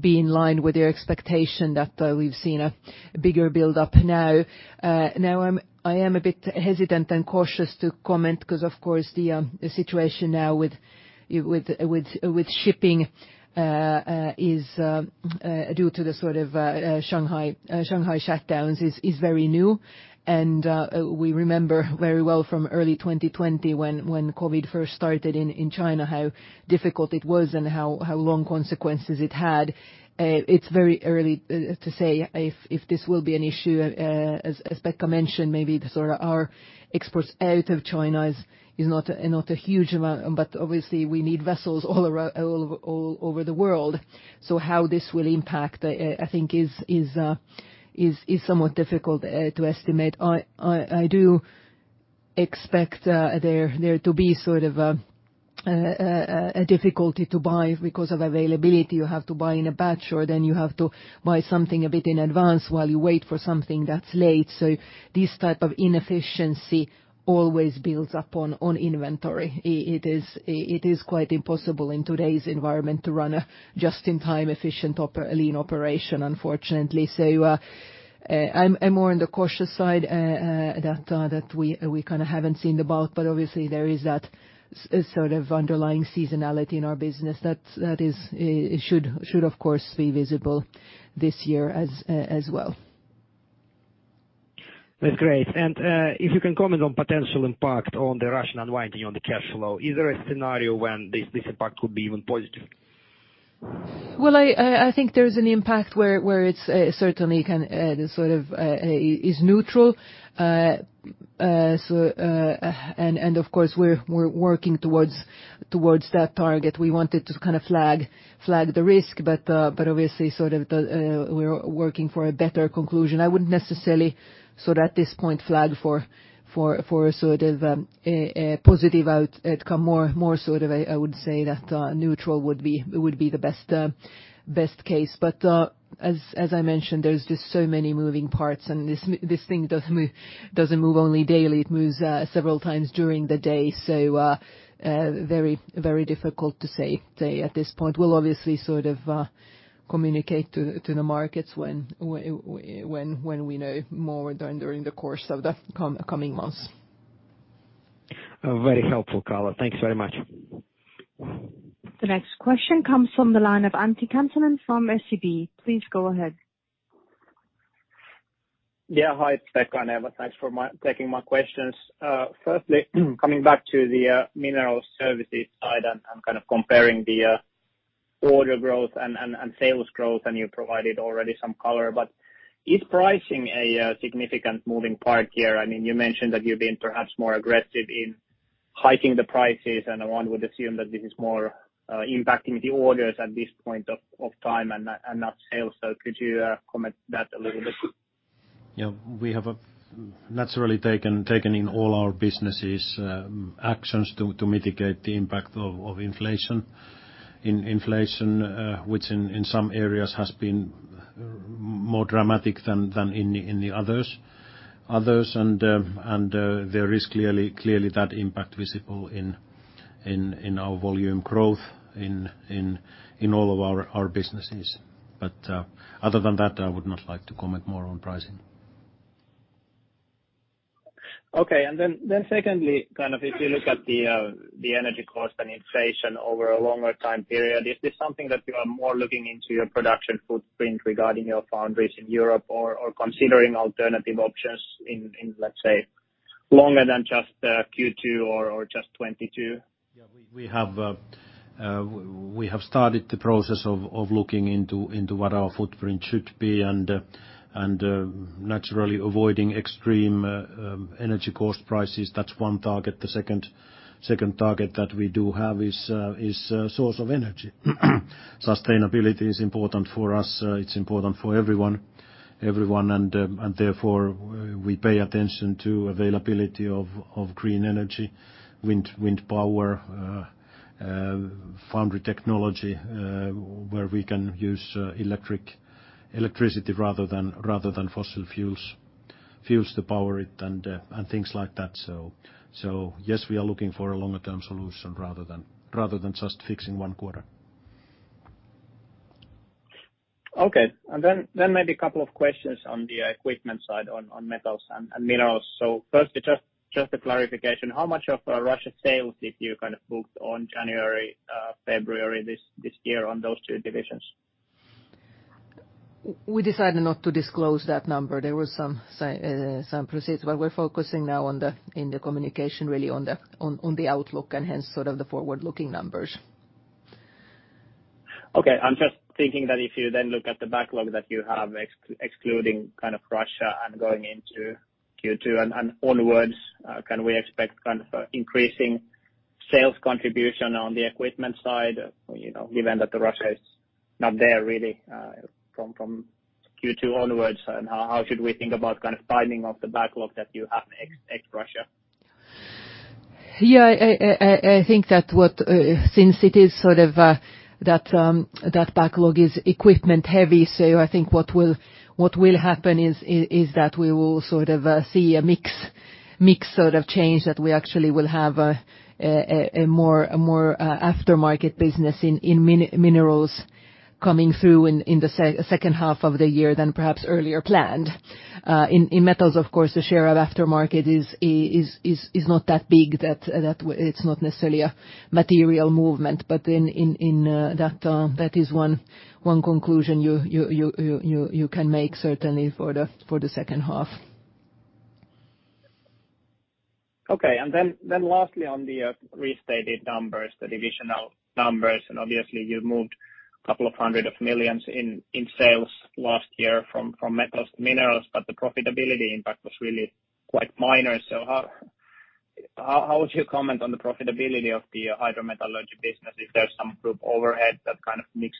Speaker 3: be in line with your expectation that we've seen a bigger buildup now. Now, I am a bit hesitant and cautious to comment because, of course, the situation now with shipping is due to the sort of Shanghai shutdowns is very new. And we remember very well from early 2020 when COVID first started in China how difficult it was and how long consequences it had. It's very early to say if this will be an issue. As Pekka mentioned, maybe sort of our exports out of China is not a huge amount, but obviously, we need vessels all over the world. So how this will impact, I think, is somewhat difficult to estimate. I do expect there to be sort of a difficulty to buy because of availability. You have to buy in a batch, or then you have to buy something a bit in advance while you wait for something that's late. So this type of inefficiency always builds up on inventory. It is quite impossible in today's environment to run a just-in-time efficient lean operation, unfortunately. So I'm more on the cautious side that we kind of haven't seen the bulk, but obviously, there is that sort of underlying seasonality in our business that should, of course, be visible this year as well.
Speaker 9: That's great. And if you can comment on potential impact on the Russian unwinding on the cash flow, is there a scenario when this impact could be even positive?
Speaker 3: Well, I think there's an impact where it certainly can sort of is neutral. And of course, we're working towards that target. We wanted to kind of flag the risk, but obviously, sort of we're working for a better conclusion. I wouldn't necessarily sort of at this point flag for sort of a positive outcome. More sort of, I would say that neutral would be the best case. But as I mentioned, there's just so many moving parts, and this thing doesn't move only daily. It moves several times during the day. So very difficult to say at this point. We'll obviously sort of communicate to the markets when we know more during the course of the coming months. Very helpful, Carla.
Speaker 9: Thanks very much.
Speaker 4: The next question comes from the line of Antti Kansanen and from SEB. Please go ahead.
Speaker 10: Yeah. Hi, Pekka and Eeva. Thanks for taking my questions. Firstly, coming back to the Minerals services side and kind of comparing the order growth and sales growth, and you provided already some color, but is pricing a significant moving part here? I mean, you mentioned that you've been perhaps more aggressive in hiking the prices, and one would assume that this is more impacting the orders at this point of time and not sales. So could you comment that a little bit?
Speaker 2: Yeah. We have naturally taken in all our businesses actions to mitigate the impact of inflation, which in some areas has been more dramatic than in the others. And there is clearly that impact visible in our volume growth in all of our businesses. But other than that, I would not like to comment more on pricing. Okay. And then secondly, kind of if you look at the energy cost and inflation over a longer time period, is this something that you are more looking into your production footprint regarding your foundries in Europe or considering alternative options in, let's say, longer than just Q2 or just 2022? Yeah. We have started the process of looking into what our footprint should be and naturally avoiding extreme energy cost prices. That's one target. The second target that we do have is source of energy. Sustainability is important for us. It's important for everyone. And therefore, we pay attention to availability of green energy, wind power, foundry technology where we can use electricity rather than fossil fuels to power it and things like that. So yes, we are looking for a longer-term solution rather than just fixing one quarter.
Speaker 10: Okay. And then maybe a couple of questions on the equipment side on Metals and Minerals. So firstly, just a clarification. How much of Russia's sales did you kind of booked on January, February this year on those two divisions?
Speaker 3: We decided not to disclose that number. There were some proceeds. But we're focusing now in the communication really on the outlook and hence sort of the forward-looking numbers.
Speaker 10: Okay. I'm just thinking that if you then look at the backlog that you have excluding kind of Russia and going into Q2 and onwards, can we expect kind of increasing sales contribution on the equipment side given that Russia is not there really from Q2 onwards? And how should we think about kind of timing of the backlog that you have ex-Russia?
Speaker 3: Yeah. I think that since it is sort of that backlog is equipment-heavy, so I think what will happen is that we will sort of see a mix sort of change that we actually will have a more aftermarket business in Minerals coming through in the second half of the year than perhaps earlier planned. In Metals, of course, the share of aftermarket is not that big that it's not necessarily a material movement. But then that is one conclusion you can make certainly for the second half.
Speaker 10: Okay. And then lastly, on the restated numbers, the divisional numbers, and obviously, you moved a couple of hundred of millions in sales last year from Metals to Minerals, but the profitability impact was really quite minor. So how would you comment on the profitability of the hydrometallurgy business? Is there some group overhead that kind of makes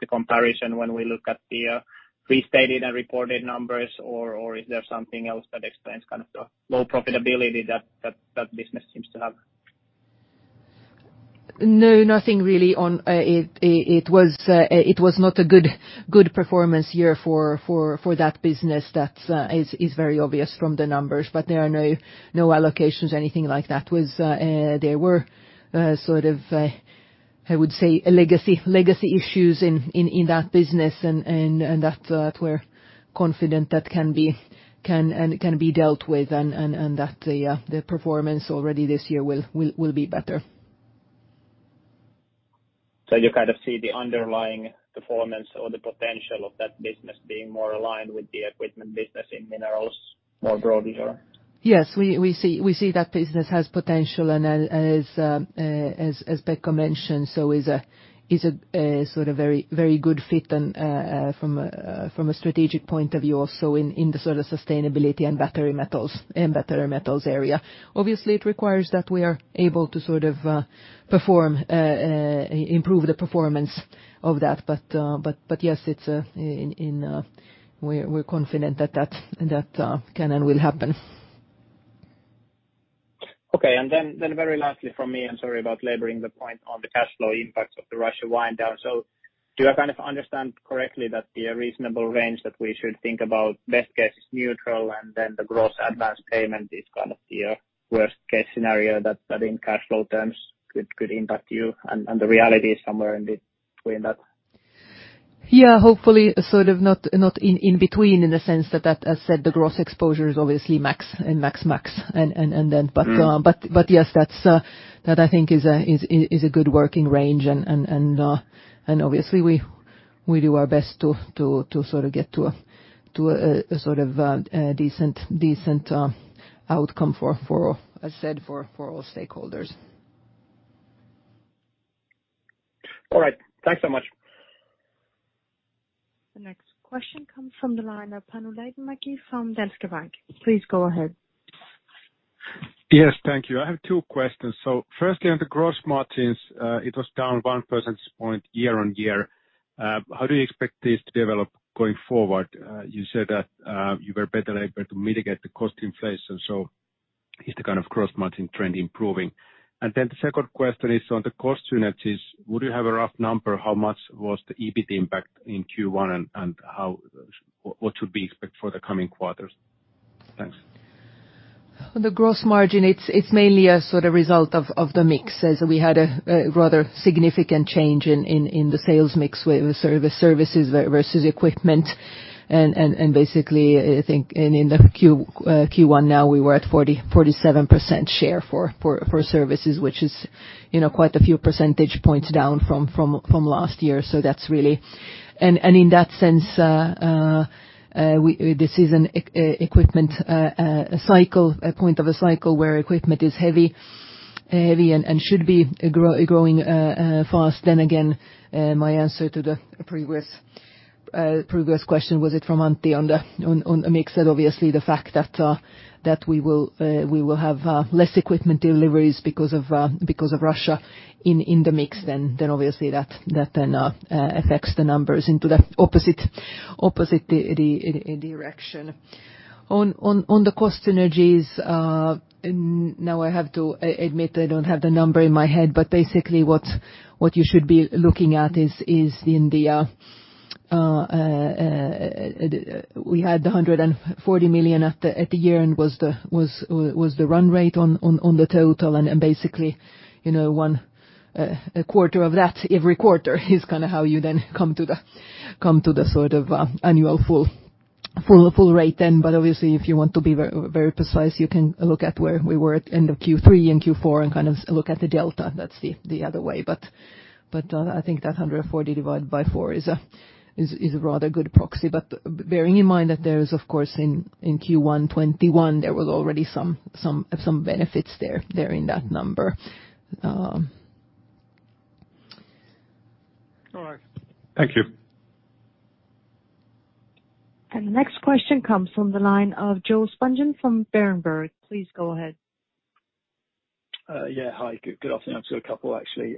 Speaker 10: the comparison when we look at the restated and reported numbers, or is there something else that explains kind of the low profitability that that business seems to have?
Speaker 3: No, nothing really. It was not a good performance year for that business. That is very obvious from the numbers. But there are no allocations, anything like that. There were sort of, I would say, legacy issues in that business, and that we're confident that can be dealt with and that the performance already this year will be better.
Speaker 10: So you kind of see the underlying performance or the potential of that business being more aligned with the equipment business in Minerals more broadly?
Speaker 3: Yes. We see that business has potential, and as Pekka mentioned, so is a sort of very good fit from a strategic point of view also in the sort of sustainability and battery Metals area. Obviously, it requires that we are able to sort of improve the performance of that. But yes, we're confident that that can and will happen.
Speaker 10: Okay. And then very lastly from me, I'm sorry about laboring the point on the cash flow impact of the Russia wind down. So do I kind of understand correctly that the reasonable range that we should think about, best case is neutral, and then the gross advance payment is kind of the worst-case scenario that in cash flow terms could impact you? And the reality is somewhere in between that?
Speaker 3: Yeah.
Speaker 2: Hopefully, sort of not in between in the sense that, as said, the gross exposure is obviously max max max. But yes, that I think is a good working range. And obviously, we do our best to sort of get to a sort of decent outcome for, as said, for all stakeholders.
Speaker 10: All right. Thanks so much.
Speaker 4: The next question comes from the line of Panu Laitinmäki from Danske Bank. Please go ahead.
Speaker 11: Yes. Thank you. I have two questions. So firstly, on the gross margins, it was down 1 percentage point year on year. How do you expect this to develop going forward? You said that you were better able to mitigate the cost inflation. So is the kind of gross margin trend improving? And then the second question is on the cost units. Would you have a rough number how much was the EBIT impact in Q1 and what should we expect for the coming quarters?
Speaker 3: Thanks. On the gross margin, it's mainly a sort of result of the mix, so we had a rather significant change in the sales mix with services versus equipment. And basically, I think in Q1 now, we were at 47% share for services, which is quite a few percentage points down from last year, so that's really and in that sense, this is an equipment point of a cycle where equipment is heavy and should be growing fast. Then again, my answer to the previous question, was it from Antti on the mix? Obviously, the fact that we will have less equipment deliveries because of Russia in the mix, then obviously that then affects the numbers into the opposite direction. On the cost synergies, now I have to admit I don't have the number in my head, but basically what you should be looking at is in 2020 we had 140 million at year-end and that was the run rate on the total. Basically, one quarter of that every quarter is kind of how you then come to the sort of annual full rate then. But obviously, if you want to be very precise, you can look at where we were at end of Q3 and Q4 and kind of look at the delta. That's the other way. But I think that 140 divided by 4 is a rather good proxy. But bearing in mind that there is, of course, in Q1 2021, there were already some benefits there in that number.
Speaker 11: All right. Thank you.
Speaker 4: And the next question comes from the line of Joel Spungin from Berenberg. Please go ahead.
Speaker 12: Yeah. Hi. Good afternoon. I'm still a couple, actually.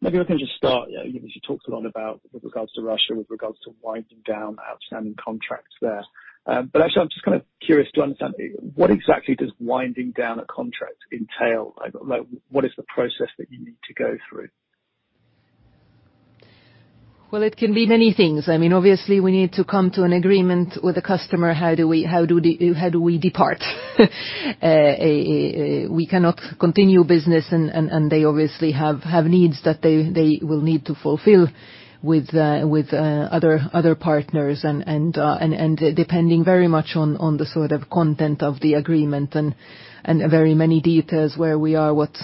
Speaker 12: Maybe we can just start. You talked a lot about with regards to Russia, with regards to winding down outstanding contracts there. But actually, I'm just kind of curious to understand what exactly does winding down a contract entail? What is the process that you need to go through?
Speaker 3: Well, it can be many things. I mean, obviously, we need to come to an agreement with the customer. How do we depart? We cannot continue business, and they obviously have needs that they will need to fulfill with other partners and depending very much on the sort of content of the agreement and very many details where we are, what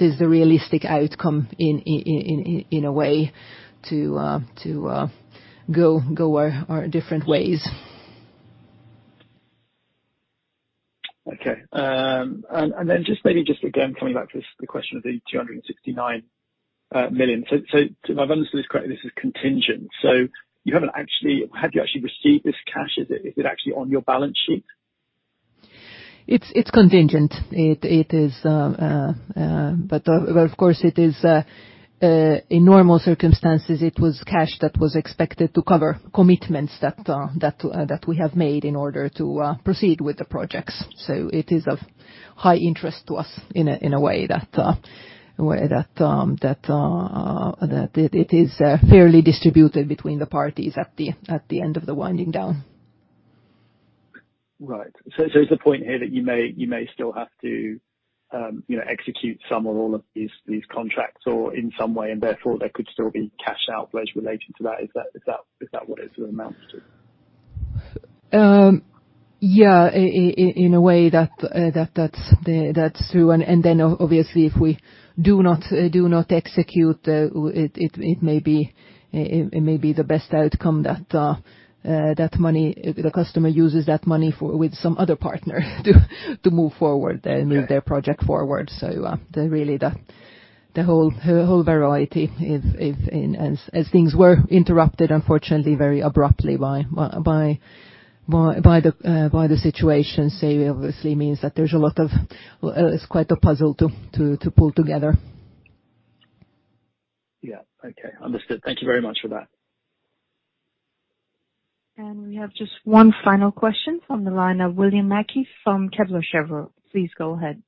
Speaker 3: is the realistic outcome in a way to go our different ways.
Speaker 12: Okay. Then just maybe again, coming back to the question of the 269 million. So if I've understood this correctly, this is contingent. So you haven't actually had you actually received this cash? Is it actually on your balance sheet?
Speaker 3: It's contingent. It is. But of course, it is in normal circumstances, it was cash that was expected to cover commitments that we have made in order to proceed with the projects. So it is of high interest to us in a way that it is fairly distributed between the parties at the end of the winding down.
Speaker 12: Right. So is the point here that you may still have to execute some or all of these contracts or in some way, and therefore there could still be cash outflows related to that? Is that what it's amounted to?
Speaker 3: Yeah. In a way that that's true.
Speaker 2: And then obviously, if we do not execute, it may be the best outcome that the customer uses that money with some other partner to move forward and move their project forward. So really, the whole variety, as things were interrupted, unfortunately, very abruptly by the situation, obviously means that there's a lot of it's quite a puzzle to pull together.
Speaker 12: Yeah. Okay. Understood. Thank you very much for that.
Speaker 4: And we have just one final question from the line of William Mackie from Kepler Cheuvreux. Please go ahead.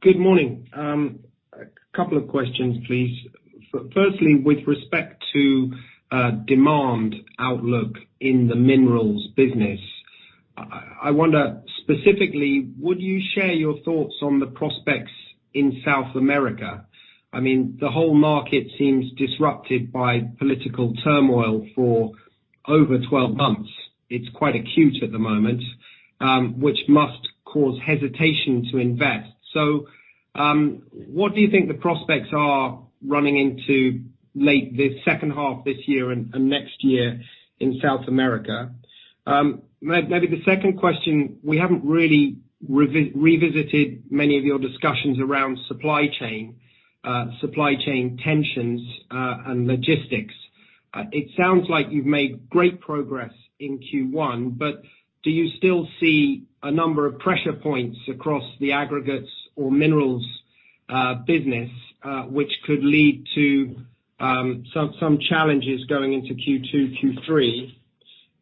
Speaker 13: Good morning. A couple of questions, please. Firstly, with respect to demand outlook in the Minerals business, I wonder specifically, would you share your thoughts on the prospects in South America? I mean, the whole market seems disrupted by political turmoil for over 12 months. It's quite acute at the moment, which must cause hesitation to invest. So what do you think the prospects are running into late this second half this year and next year in South America? Maybe the second question, we haven't really revisited many of your discussions around supply chain, supply chain tensions, and logistics. It sounds like you've made great progress in Q1, but do you still see a number of pressure points across the Aggregates or Minerals business which could lead to some challenges going into Q2, Q3?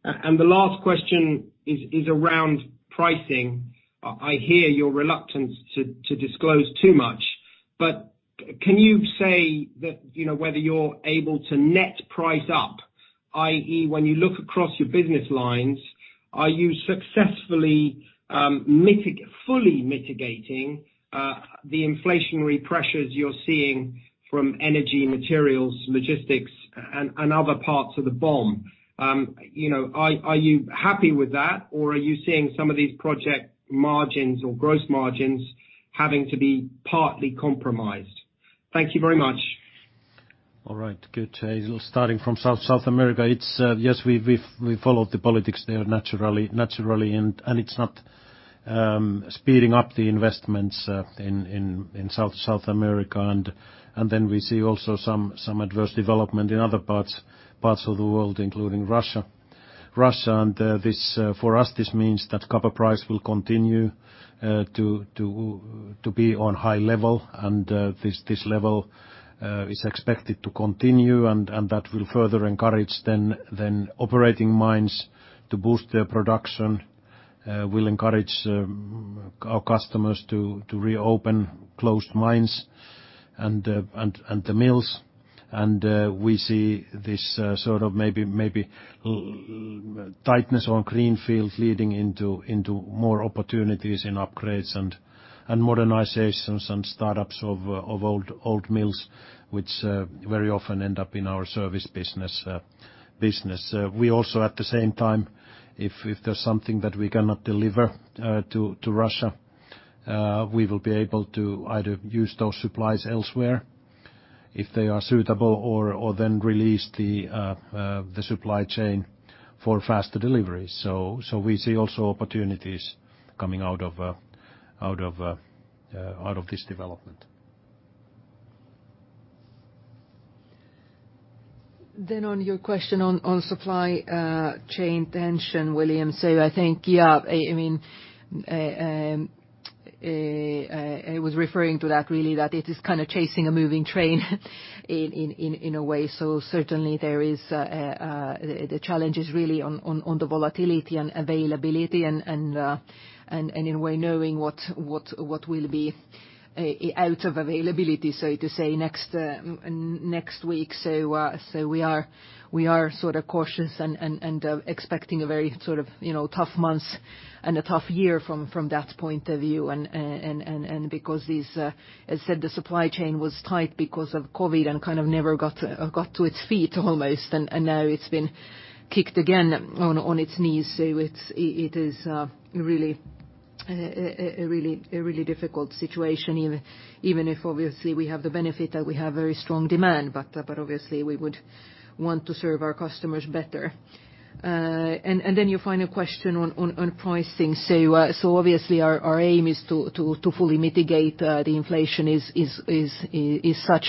Speaker 13: And the last question is around pricing. I hear your reluctance to disclose too much, but can you say that whether you're able to net price up, i.e., when you look across your business lines, are you successfully fully mitigating the inflationary pressures you're seeing from energy, materials, logistics, and other parts of the BOM? Are you happy with that, or are you seeing some of these project margins or gross margins having to be partly compromised? Thank you very much.
Speaker 2: All right. Good. Starting from South America, yes, we follow the politics there naturally, and it's not speeding up the investments in South America. And then we see also some adverse development in other parts of the world, including Russia. And for us, this means that copper price will continue to be on high level, and this level is expected to continue, and that will further encourage the operating mines to boost their production. We'll encourage our customers to reopen closed mines and the mills. And we see this sort of maybe tightness on greenfields leading into more opportunities in upgrades and modernizations and startups of old mills, which very often end up in our service business. We also, at the same time, if there's something that we cannot deliver to Russia, we will be able to either use those supplies elsewhere if they are suitable or then release the supply chain for faster delivery. So we see also opportunities coming out of this development.
Speaker 3: Then on your question on supply chain tension, William, so I think, yeah, I mean, I was referring to that really that it is kind of chasing a moving train in a way. So certainly, there is the challenge is really on the volatility and availability and in a way knowing what will be out of availability, so to say, next week. So we are sort of cautious and expecting a very sort of tough month and a tough year from that point of view.
Speaker 13: And because, as I said, the supply chain was tight because of COVID and kind of never got to its feet almost, and now it's been kicked again on its knees. So it is a really difficult situation, even if obviously we have the benefit that we have very strong demand, but obviously we would want to serve our customers better. And then your final question on pricing. So obviously, our aim is to fully mitigate the inflation. It's such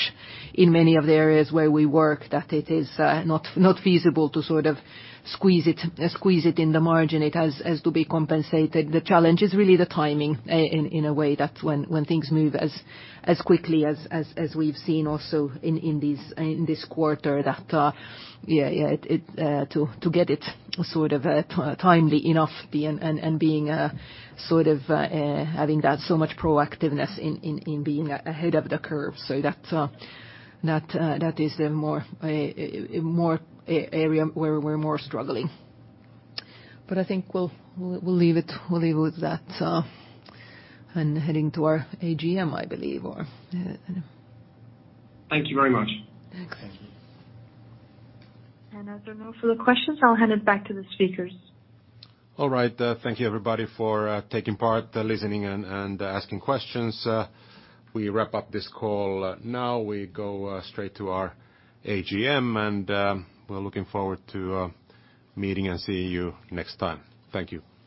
Speaker 13: in many of the areas where we work that it is not feasible to sort of squeeze it in the margin as to be compensated. The challenge is really the timing in a way that when things move as quickly as we've seen also in this quarter that to get it sort of timely enough and being sort of having that so much proactiveness in being ahead of the curve.
Speaker 2: So that is the more area where we're more struggling. But I think we'll leave it with that and heading to our AGM, I believe.
Speaker 3: Thank you very much. Thanks.
Speaker 4: And as a note for the questions, I'll hand it back to the speakers.
Speaker 2: All right. Thank you, everybody, for taking part, listening, and asking questions. We wrap up this call now. We go straight to our AGM, and we're looking forward to meeting and seeing you next time. Thank you.